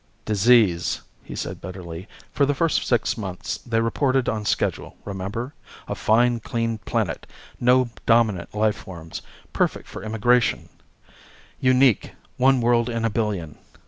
"Disease," he said bitterly. "For the first six months they reported on schedule, remember? A fine clean planet, no dominant life forms, perfect for immigration; unique, one world in a billion.